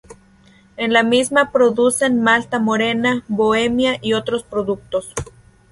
En la misma producen Malta Morena, Bohemia y otros productos.